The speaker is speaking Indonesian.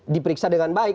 diperiksa dengan baik